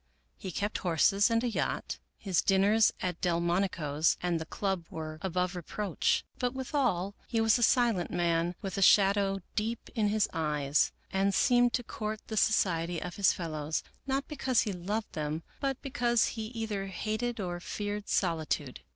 He kept horses and a yacht. His dinners at Delmonico's and the club were above reproach. But with all he was a silent man with a shadow deep in his eyes, and seemed to court the society of his fellows, not because he loved them, but because he either hated or feared solitude.